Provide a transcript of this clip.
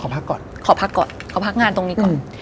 พักก่อนขอพักก่อนขอพักงานตรงนี้ก่อน